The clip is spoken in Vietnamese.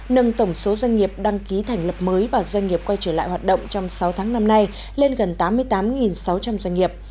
nâng tổng số doanh nghiệp đăng ký thành lập mới và doanh nghiệp quay trở lại hoạt động trong sáu tháng năm nay lên gần tám mươi tám sáu trăm linh doanh nghiệp